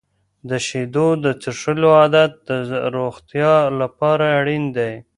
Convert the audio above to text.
د شیدو د څښلو عادت د روغتیا لپاره اړین دی.